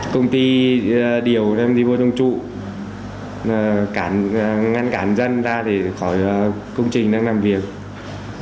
công ty điều em đi vô đông trụ ngăn cản dân ra khỏi công trình đang làm việc